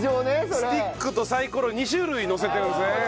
スティックとサイコロ２種類のせてるんですね。